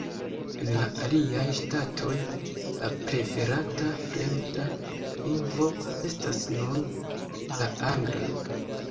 En la aliaj ŝtatoj, la preferata fremda lingvo estas nun la angla.